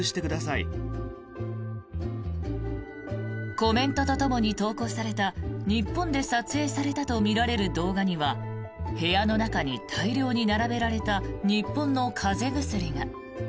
コメントとともに投稿された日本で撮影されたとみられる動画には部屋の中に大量に並べられた日本の風邪薬が。